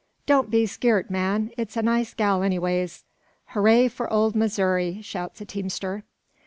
"Don't be skeert, man; it's a nice gal, anyways." "Hooray for old Missouri!" shouts a teamster.